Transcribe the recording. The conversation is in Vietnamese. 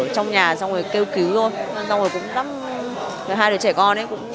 chucky ch murder bốn fatigue test dễ dàng